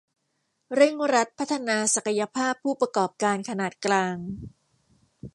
เร่งรัดพัฒนาศักยภาพผู้ประกอบการขนาดกลาง